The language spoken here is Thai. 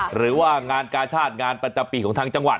หรือว่างานกาชาติงานประจำปีของทางจังหวัด